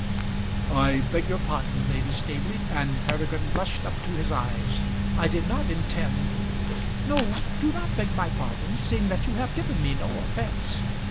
"I beg your pardon, Lady Staveley;" and Peregrine blushed up to his eyes. "I did not intend " "No; do not beg my pardon, seeing that you have given me no offence.